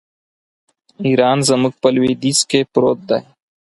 ایران زموږ په لوېدیځ کې پروت دی.